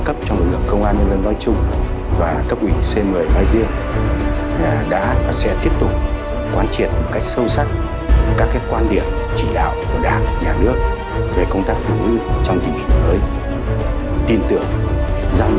các bộ hội viên phụ nữ lực lượng công an nhân dân đã có những bước phát triển